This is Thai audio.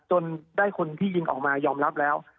จนได้คนที่ยิงออกมายอมรับแล้ว